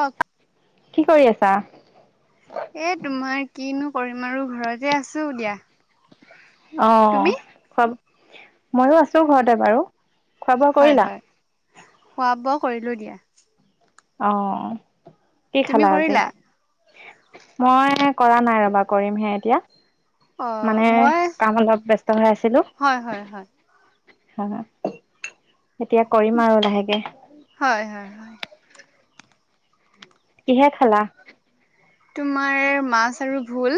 অক কি কৰি আছা? এ, তোমাৰ কিনো কৰিম আৰু ঘৰতে আছো দিয়া। অ', তুমি? খোৱা মইও আছো ঘৰতে বাৰু খোৱা বোৱা হয় কৰিলা? হয় খোৱা বোৱা কৰিলো দিয়া। অ', কি তুমি খালা আজি? কৰিলা? মই কৰা নাই ৰবা কৰিমহে এতিয়া। অ' মানে মই কাম অলপ ব্যস্ত হৈ আছিলো। হয় হয় হয় হা এতিয়া কৰিম আৰু লাহেকে। হয় হয় হয়। কিহে খালা? তোমাৰ মাছ আৰু ভুল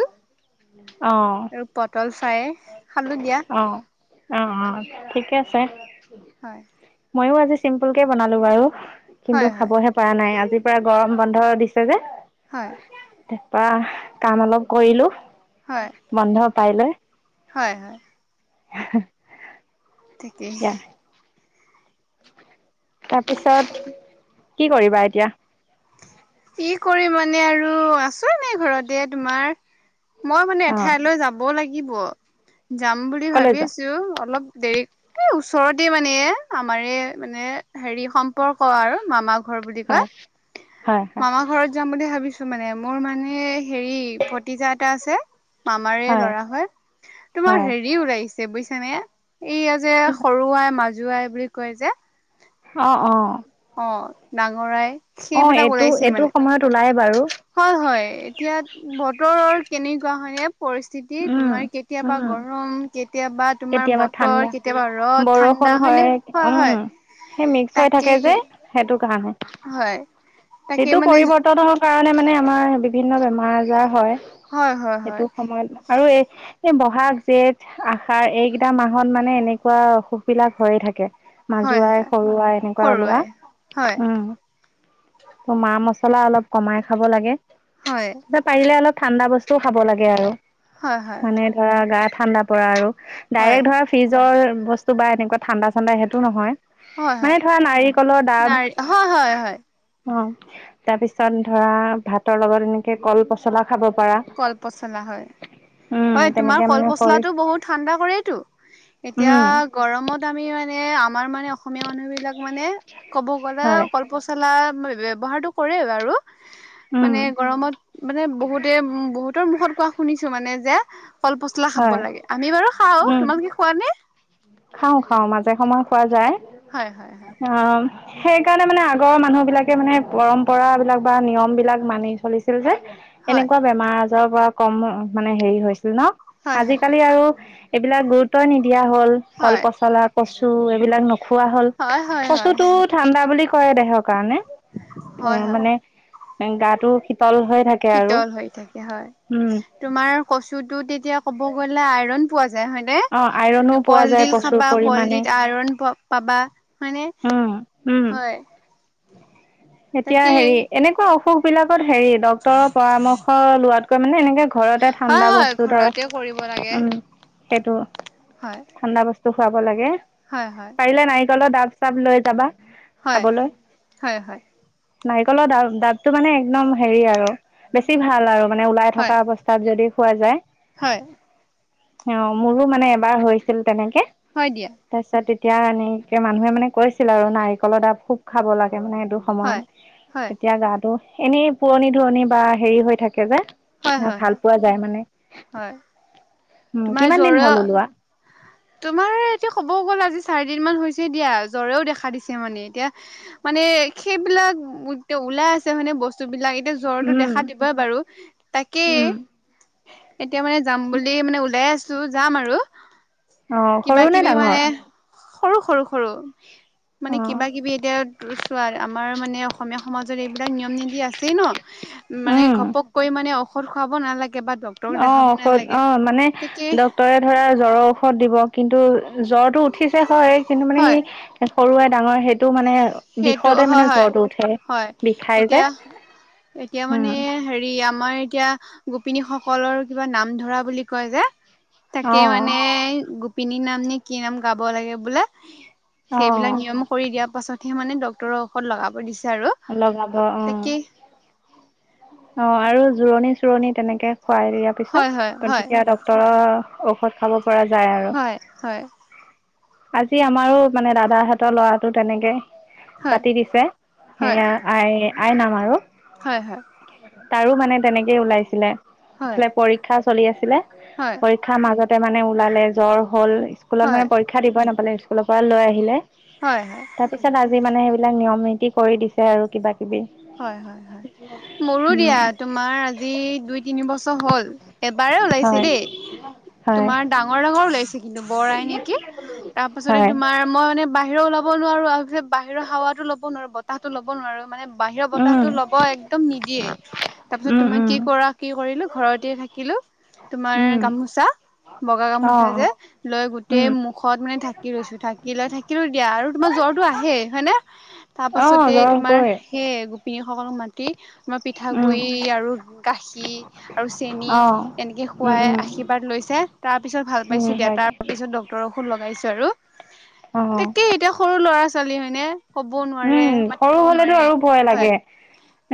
অ আৰু পটল ফ্ৰাই খালোঁ দিয়া। অ অ', অ', ঠিকে আছে। হয় ময়ো আজি চিম্পুলকে বনালো বাৰু হয় কিন্তু হয় খাবহে পৰা নাই আজ আজিৰ পৰা গৰম বন্ধ দিছে যে। হয়। পৰা কাম অলপ কৰিলো হয় বন্ধ পাই লৈ। হয়, হয়। [inaudible] ঠিকেই তাৰপিছত কি কৰিবা এতিয়া? কি কৰি মানে আৰু আছোঁ এনে ঘৰতে তোমাৰ? মই মানে অ এঠাইলৈ যাব লাগিব, যাম বুলি ভাবি কলেজৰ আছোঁ, অলপ দেৰিকে ওচৰতে মানে আমাৰে মানে হেৰি সম্পৰ্ক আৰু মামাক। ঘৰৰ বুলি হয় কয়, হয় হয় মামা ঘৰত যাম বুলি ভাবিছোঁ? মানে মোৰ মানে হেৰি ভতিজা এটা আছে মামাৰে ল'ৰা হয় তোমাৰ হয় হেৰি ওৰাইছ বুইছানে, এইয়া যে কি সৰু আই, মাজুআই বুলি কয় যে অ অ অ' ডাঙৰাই অ সেইবিলাক এইটো ওলাইছে এইটো মানে সময়ত ওলাই বাৰু হয়, হয় এতিয়া বতৰৰ কেনেকুৱা হয় এ পৰিস্থিতি উম তোমাৰ কেতিয়াবা উম গৰম কেতিয়াবা তোমাৰ বতৰ কেতিয়াবা ৰ'দ ঠাণ্ কোন হয়। উম, সেই মিক্স হৈ থাকে তাকেই যে সেইটো কাৰণে হয় তাকে ঋতু মানে পৰিৱৰ্তনৰ কাৰণে মানে আমাৰ বিভিন্ন বেমাৰ আজাৰ হয়। হয়, হয়, সেইটো হয়। সময়ত আৰু এই বহাগ জেঠ আষাৰ এইকেইটা মাহত মানে এনেকুৱা অসুখবিলাক হৈয়ে থাকে। হয় মাজুআই, হয় সৰুআই এনেকুৱা হৰুৱাই ওলোৱা হয় উম। অ' মা মছলা অলপ কমাই খাব লাগে। হয় এই পাৰিলে অলপ ঠাণ্ডা বস্তুও খাব লাগে আৰু হয় হয় মানে ধৰা গা ঠাণ্ডা পৰা আৰু হয় ডাইৰেক্ট ধৰা ফ্ৰিজৰ বস্তু বা এনেকুৱা ঠাণ্ডা - ঠাণ্ডা সেইটো নহয়। হয় হয় মানে ধৰা নাৰিকলৰ ডাব। নাৰ হয় হয় হয় অ, তাৰ পিছত ধৰা ভাতৰ লগত এনেকে কল পচলা খাব পাৰা কল পচলা হয় - উম হয় তোমাৰ তেনেকে কল মানে কৰি পচলাটো বহুত ঠাণ্ডা কৰেত এতিয়া উম গৰমত আমি মানে আমাৰ মানে অসমীয়া মানুহবিলাক মানে ক'ব গ'লে হয় কল পচলা ব ব্যবহাৰতু কৰে বাৰু উম মানে গৰমত মানে বহুতো বহুতৰ মুখত কোৱা শুনিছোঁ মানে যে কল পচলা খাব হয় লাগে আমি বাৰু খাওঁ তোমাল কি খোৱা নে? খাও-খাও মাজে সময়ে খোৱা যায়। হয়-হয়-হয়। সেই কাৰণে মানে আগৰ মানুহ বিলাকে মানে পৰম্পৰা বিলাক বা নিয়ম বিলাক মানি চলিছিল যে। হয় এনেকুৱা বেমাৰ আজৰ পৰা কম মানে হেৰি হৈছিল ন হয় আজিকালি আৰু এইবিলাক গুৰুত্ব নিদিয়া হল কল হয় পচলা কচু এইবিলাক ন খোৱা হল হয় হয় হয় হয় কচুতটো ঠাণ্ডা বুলি কয় দেহৰ কাৰণে। অ, হয় হয় মানে গাটো শীতল হৈ থাকে আৰু শীতল হৈ থাকে হয় উম, তোমাৰ কচুটো তেতিয়া ক'ব গ'লে আইৰণ পোৱা হয়নে অ', আইৰনো তুমি পোৱা যায় কলডিল প্ৰচুৰ খাবা পৰিমাণে কলডিত আইৰন প পাবা হয়নে। উম, উম। হয়। এতিয়া তাকেই হেৰি এনেকুৱা অসুখ বিলাকত হেৰি ডক্তৰৰ পৰামৰ্শ লোৱাতকৈ মানে এনেকে ঘৰতে হয় ঠাণ্ডা হয় বস্তু ধৰ ঘৰতে কৰিব লাগে উম, সেইটো হয়। ঠাণ্ডা বস্তু খুৱাব লাগে। হয়, হয়। লত ডাব চাব লৈ যাবা। হয়। খাবলৈ হয়, হয়। নাৰিকলৰ দা দাবটো মানে, একদম হেৰি আৰু বেছি ভাল আৰু। মানে ওলাই থকা হয় অৱস্থাত যদি খোৱা যায়। হয় অ', মোৰো মানে এবাৰ হৈছিল তেনেকে হয় দিয়া তাৰিছত এতিয়া এনেকে মানুহে মানে কৈছিল আৰু নাৰিকলৰ ডাব খুব খাব লাগে মানে। টো সময়ত হয় হয় তেতিয়া গাটো এনেই পুৰণি ধুৰণি বা হেৰি হৈ থাক হয় কেবাৰে হয় হয় ভাল পোৱা যায় মানে। হয়, উম তোমাৰ কিমান দিন জ্বৰ হ'ল ওলোৱা তোমাৰ এতিয়া ক'বও গ'ল আজি চাৰিদিন মান হৈছে দিয়া জ্বৰেও দেখা দিছে মানে এতিয়া মানে সেইবিলাক [unintelligible] ওলাই আছে মানে বস্তুবিলাক এতিয়া জ্বৰটো উম দেখা দিবই বাৰু, তাকে উম এতিয়া মানে যাম বুলি মানে ওলাই আছোঁ যাম আৰু। অ কিবা সৰু নে কিবি ডাঙৰ মানে। সৰু, সৰু, সৰু মানে অ কিবা কিবি এতিয়া চোৱা আম মাৰ মানে অসমীয়া সমাজত এইবিলাক নিয়ম নীতি আছেই ন' মানে উম ঘপককৈ মানে অ সুধ খুৱাব নালাগে বা ডক্তৰক দেখাব অহ' ঔষধ নালাগে অহ, মানে তাকে ড্ক্তৰে ধৰা জ্বৰৰ ঔষধ দিব কিন্তু। জ্বৰটো উঠিছে হয়, কিন্তু মানে হয় সি সৰুৱে ডাঙৰে সেইটো মানে। সেইটো বিষতে হয় মানে হয় জ্বৰটো উঠে। হয় বিষায় যে। এতিয়া এতিয়া উম মানে হেৰি আম আমাৰ এতিয়া গোপিনী সকলৰ কিবা নাম ধৰা বুলি কয় যে। অ তাকে মানে, গোপিনীৰ নাম নে কি নাম, গাব লাগে বোলে। অ সেইবিলাক নিয়ম কৰি দিয়া পাছতহে মানে ডক্তৰৰ ঔষধ লগাব দিছ আৰু লগাব তাকে। অহ' আৰু জোৰণি চোৰণি তেনেকে খুৱাই দিয়াৰ হয় হয় পিছত, হয় তেতিয়া ডক্তৰৰ। ঔষধ খাব পৰা যায় আৰু হয়। হয়। আজি আমাৰো মানে দাদাহঁতৰ ল'ৰাটো তেনেকে হয় পাতি দিছে হয় সেয়া আই, আই নাম আৰু। হয়, হয়। তাৰো মানে তেনেকেই ওলাইছিলে হয় এইফালে পৰীক্ষা চলি আছিলে, হয় হয় পৰীক্ষাৰ মাজত তে মানে ওলালে জ্বৰ হ'ল, স্কুলত হয় মানে পৰীক্ষা দিবই নাপালে, স্কুলৰ পৰা লৈ আহিলে। হয়, হয়। তাৰ পিছত মানে সেইবিলাক, নিয়ম নীতি কৰি দিছে আৰু কিবা। কিবি হয়, হয়, হয়। মোৰো মোৰো দিয়া উম তোমাৰ আজি, দুই-তিন বছৰ হ'ল এবাৰে ওলাইছে হয় দেই। হয় তোমাৰ ডাঙৰ ডাঙৰ ওলাইছে কিন্তু বৰ আই নেকি তাৰপাছতে হয় তোমাৰ মই মানে বাহিৰৰ ওলাব নোৱাৰোঁ আৰু বাহিৰৰ হাৱাতো ল'ব নোৱাৰোঁ বতাহটো ল'ব নোৱাৰোঁ মানে বাহিৰৰ বতাহটো উম ল'ব একদম নিদিয়ে তাৰপিছত উম তুমি কি উম কৰা কি কৰিলো ঘৰতে থা কিলো তোমাৰ উম গামোচা বগা অ গামোচা যে, লৈ গোটেই উম মুখত মানে ঢাকি লৈছো। ঢাকি লৈ থাকিলো দিয়া আৰু তোমাৰ। তৰটো আহে হয় নে অ তাৰপাছতে জ্বৰ তোমাৰ হ'বই সেই গোপিনীসকলক মাতি মই উম পিঠাগুৰি আৰু গাখীৰ আৰু চেনী অ এনেকে উম খুৱাই উম আশীৰ্বাদ লৈছ [unintelligible] তাৰপিছত ভাল উম পাইছোঁ দিয়া হয় তাৰ দে পিছত ডক্তৰক লগাইছো আৰু। অ তাকেই এতিয়া সৰু ল'ৰা-ছোৱালী হয়নে। ক'বও নোৱাৰে, উম সৰু মাতিবও হলেতো নোৱাৰে। আৰু ভয় হয় লাগে,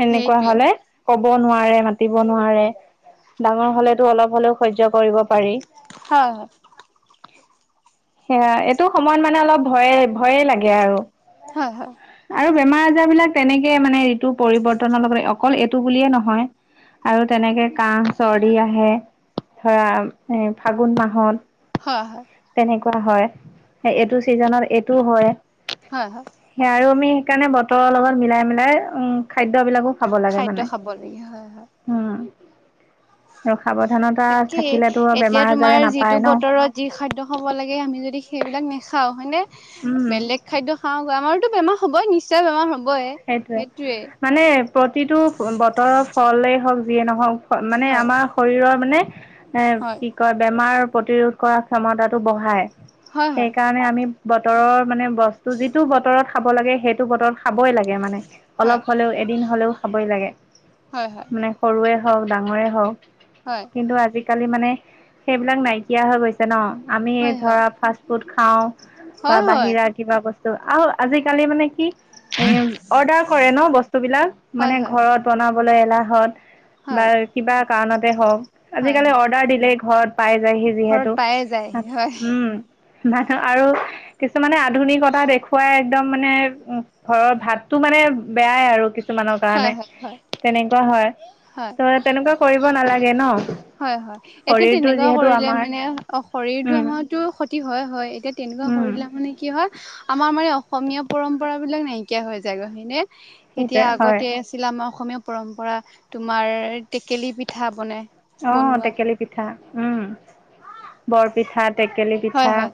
এনেকুৱা সেইটোৱে হ'লে। ক'ব নোৱাৰে মাতিব নোৱাৰে ডাঙৰ হলেতো অলপ হলেও সহ্য কৰিব। পাৰি হয় হয়। সেয়া এইটো সময়ত মানে অলপ ভয়ে ভয়ে লাগে আৰু। হয় হয়। আৰু বেমাৰ আজাৰ বিলাক তেনেকে মানে ঋতু পৰিবৰ্তনৰ লগত অকল এইটো বুলিয়ে নহয় আৰু তেনেকে কাহ চৰ্দি আহে। ধৰা এ ফাগুন মাহত। হয় হয় তেনেকুৱা হয় এইটো চিজনত এইটো হয় হয় হয় হয় সেই আৰু আমি। সেইকাৰণে বতৰৰ লগত মিলাই মিলাই খাদ্যবিলাকো খাব লাগে খাদ্য মানে খাব লাগে হয় হয় উম। আৰু সাৱধানতা তাকেই থাকিলেতো এতিয়া বেমাৰ আজাৰে তোমাৰ যিটো নাপায় ন বতৰত যি খাদ্য হ'ব লাগে আমি যদি সেইবিলাক নেখাওঁ হয়নে উম। বেলেগ খাদ্য খাওঁ আমাৰ বেমাৰ হ'ব নি্চ বেমাৰ হব। সেইটোৱে মানে প্ৰতিটো বতৰৰ ফলেই হওক যিয়ে নহওক। মানে হয় আমাৰ শৰীৰৰ মানে হয় কি কয় বেমাৰ প্ৰতিৰোধ কৰা ক্ষমতাটো বঢ়ায়। হয় সেইকাৰণে আমি বতৰৰ মানে বস্তু যিটো বতৰত খাব লাগে সেইটো বতৰত খাবই লাগে মানে। হয় অলপ হ'লেও এদিন হ'লেও খাবই লাগে হয় হয় মানে সৰুৱে হওক ডাঙৰে হওক। হয় কিন্তু আজিকালি মানে সেইবিলাক নাইকিয়া হৈ গৈছে ন। আমি হয় হয় ধৰা ফাষ্ট ফুড খাওঁ বা হয় বাহিৰা কিবা বসু ত আৰু আজিকালি মানে কি উম অৰ্ডাৰ কৰে ন বস্তুবিলাক মানে হয় হয় হয় ঘৰত বনাবলৈ এলাহত হয় হয় বা হয় কিবা কাৰণতে হওক হয় আজিকালি হয় অৰ্ডাৰ দিলে ঘৰত পাই যায়হি ঘৰত যিহেতু পায়ে যায়হি হয় উম। মানহ আৰু কিছুমানে আধুনিকতা দেখুৱাই একদম মানে ঘৰৰ ভাত তটো মানে বেয়াই আৰু কিছুমানৰ কাৰণে হয় হয় হয় তেনেকুৱা হয়। হয় ত তেনেকুৱা কৰিব নালাগে ন। হয় হয় এতিয়া শৰীৰটো তেনেকুৱা যিহেতু কৰিলে আমাৰ মানে অ শৰীৰটো উম আমাৰো হয় হয় এতিয়া তেনেকুৱা উম কৰিলে মানে কি হয়। আমাৰ মানে অসমীয়া পৰম্পৰা বিলাক নাইকিয়া হৈ যায় সিনে সেইটো হয়। আছিলে আমাৰ অসমীয়া পৰম্পৰা তোমাৰ টেকেলি পিঠা বনাই। আহ বনোৱা টেকেলি পিঠা উম। বৰপিঠা টেকেলি হয় পিঠা হয়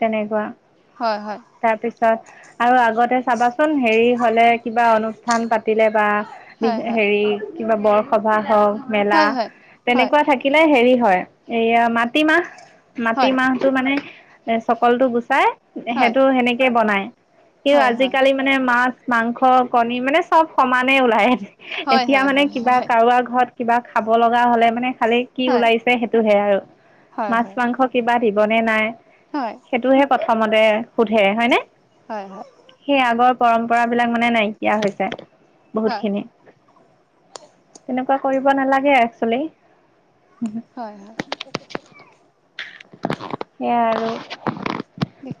তেনেকুৱা হয় হয় তাৰপিছত আৰু আগতে চাবাচোন হেৰি হলে কিবা অনুষ্ঠান পাতিলে বা হয় হেৰি কিবা বৰসভা হওক মেলা হয় হয় হয় তেনেকুৱা থাকিলে হেৰি হয় এইয়া মাটিমাহ হয় মাটিমাহটো মানে এ চকলটো গুচাই হয় সেইটো সেনেকে বনাই স হয় হয় আজিকালি মানে মাছ মাংস কণী মানে চব সমানে ওলাই হয় হয় এতিয়া হয় হয় হয় মানে কিবা কাৰোবাৰ ঘৰত। কিবা খাব লগা হলে মানে খালি কি ওলাইছে সেইটোহে আৰু হয় হয় হয় হয় মাছ মাংস কিবা। দিবনে নাই হয় সেইটোহে প্ৰথমতে সোধে হয়নে হয় সেই আগৰ পৰম্পৰাবলাক মানে নাই। হৈছে বহুত হয় খিনি তেনেকুৱা কৰিব নালাগে। [unintelligible] হয় হয়।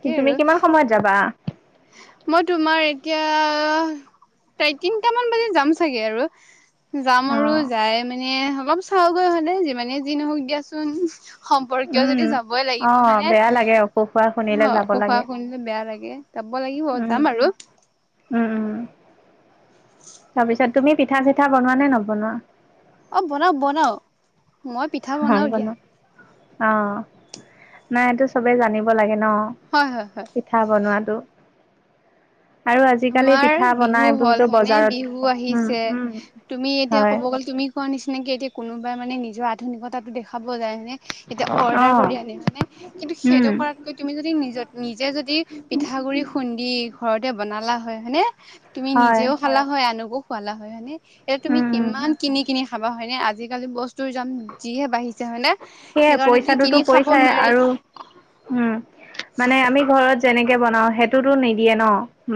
কি তুমি আৰু কিমান সময়ত যাবা? মই তোমাৰ এতিয়া প্ৰায় তিনটামান বজাত যাম চাগে আৰু। যাম আৰু অ', যাই মানে অলপ চাওঁগৈ হ'লে যিমানে যি নহওক দিয়াচোন। সম্পৰ্কীয় উম। যদি যাবই লাগিব অ', মানে বেয়া লাগে অসুখ হোৱা শুনিলে অ যাব সুখোৱা লাগে শুনিলে বেয়া লাগে। ক লাগিব উম, যাম আৰু। উম, উম, তাৰপিছত তুমি পিঠা চিঠা বনোৱা নে নবনোৱা? অ বনাও বনাও মই পিঠা বনাও দিয়া। অ', নাই এইটো চবে জানিব লাগে। ন হয় হয় হয় পিঠা বনোৱাতটো। তোমাৰ বনাই বিহু হ'ল এইবোৰতো হয়নে বজাৰত বিহু উম, আহিছে উম। তুমি এতিয়া হয় ক'ব গ'লে। তুমি কোৱা নিচিনাকে এতিয়া কোনোবাই মানে নিজৰ আধুনিকতা দেখুৱাব যায়নে। অৰ্ডাৰ অ', কৰি আনি পেলাই, কিন্তু উম, সেইটো কৰাতকৈ তুমি যে নিজে যদি পিঠা। পূখুৰী খুন্দি। ঘৰতে বনালা হয় হয়নে। তুমি হয়। নিজেও খালা হয় আনকো খুৱালা হয়নে। এতিয়া তুমি উম, কিমান কিনি কিনি খাবা। হয়নে আজিকালি বস্তুৰ দাম যিহে বাঢ়িছে হয়নে। সেয়াই সেইকাৰণে তুমি কিনি পইচাটোতো খাব পইচাই নোৱাৰি আৰু উম। মানে আমি ঘৰত যেনেকে বনাও সেইটোতো নিদিয়ে ন।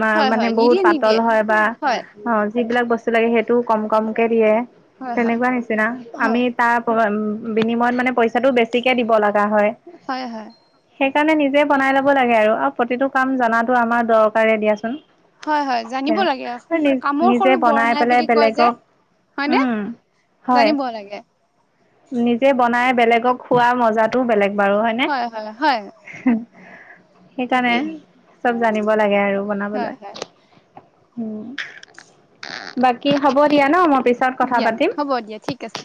মা হয় মানে হয় বহুত নিদিয়ে পাতল নিদিয়ে হয়, বা হয় অ যিবিলাক বস্তু লাগে সেইটোও কম কমকে দিয়ে। হয় হয় তেনেকুৱা নিচিনা, আমি হয় তাৰ প বিনিময়ত মানে পইচাটো বেছিকে দিব লা হয়, হয়। সেইকাৰণে নিজে বনাই ল'ব লাগে। আৰু প্ৰতিটো কাম জনটো আমাৰ দৰকাৰে দিয়াচোন। হয়, হয়, জানিব লাগে। কামৰ নিজে সৰু বৰ বনাই নাই পেলাই বুলি কয় যে। বেলেগক হয়নে? উম, হয় জানিব লাগে। নিজে বনাই বেলেগক খোৱা মজাটোও বেলেগ বাৰু হয়নে? হয় হয় হয় সেইকাৰণে তাকেই চব জানিব লাগে আৰু হয় বনাবলৈ। হয় উম বাকী হ'ব দিয়া ন মই। পিছত কথা দিয়া পাতিম হ'ব দিয়া ঠিক আছে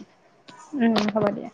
উম হ'ব দিয়া।